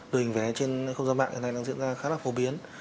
đồ hình vé trên không giao mạng hiện nay đang diễn ra khá là phổ biến